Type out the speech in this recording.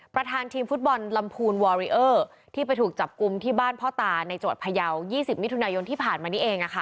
ประธานทีมฟุตบอลลำพูนวอริเออร์ที่ไปถูกจับกลุ่มที่บ้านพ่อตาในจังหวัดพยาว๒๐มิถุนายนที่ผ่านมานี้เอง